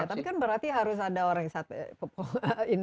tapi kan berarti harus ada orang yang satu orang